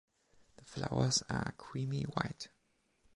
The flowers are creamy white.